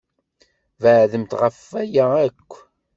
Beɛdemt ɣef waya akk!